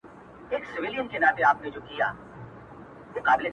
دواړه لاسه يې کړل لپه,